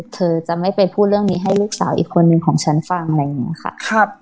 เธอจะไม่ไปพูดเรื่องนี้ให้ลูกสาวอีกคนนึงของฉันฟังอะไรอย่างนี้ค่ะ